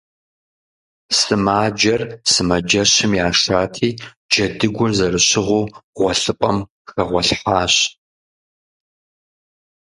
Сымаджэр сымаджэщым яшати, джэдыгур зэрыщыгъыу гъуэлъыпӏэм хэгъуэлъхьащ.